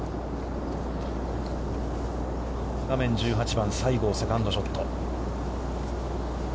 画面１８番、西郷、セカンドショット。